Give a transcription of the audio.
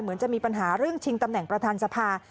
จะมีปัญหาเรื่องชิงตำแหน่งประธานสภา